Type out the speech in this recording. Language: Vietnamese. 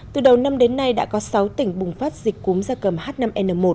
từ đầu năm đến nay đã có sáu tỉnh bùng phát dịch cúm da cầm h năm n một